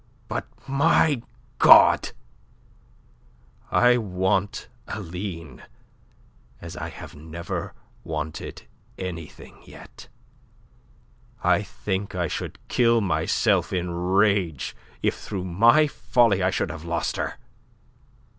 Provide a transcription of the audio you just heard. "But, my God, I want Aline as I have never wanted anything yet! I think I should kill myself in rage if through my folly I should have lost her."